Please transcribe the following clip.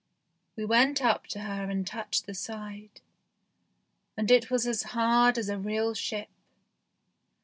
We went up to her and touched the side, and it was as hard as a real ship.